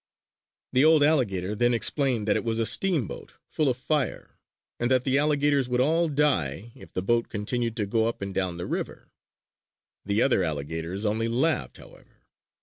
The old alligator then explained that it was a steamboat full of fire; and that the alligators would all die if the boat continued to go up and down the river. The other alligators only laughed, however.